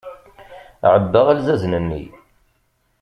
Ɛebbaɣ alzazen-nni.